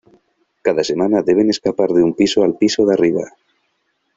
Cada semana deben escapar de un piso al piso de arriba.